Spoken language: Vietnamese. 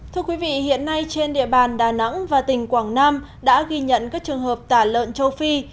thưa quý vị hiện nay trên địa bàn đà nẵng và tỉnh quảng nam đã ghi nhận các trường hợp tả lợn châu phi